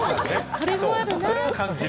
それもあるな。